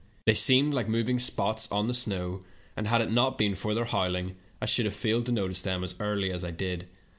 They seemed like moving spots on the snow, and had it not been for their howling I should have failed to notice them as early as I did.